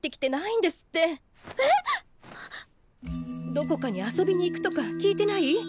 どこかに遊びに行くとか聞いてない？